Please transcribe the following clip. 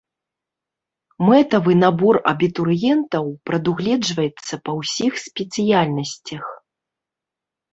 Мэтавы набор абітурыентаў прадугледжваецца па ўсіх спецыяльнасцях.